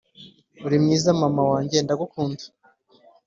urimwiza mama wanjye ndagukunda